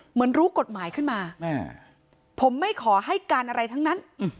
เหมือนรู้กฎหมายขึ้นมาผมไม่ขอให้การอะไรทั้งนั้น